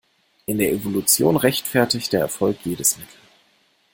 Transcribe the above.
In der Evolution rechtfertigt der Erfolg jedes Mittel.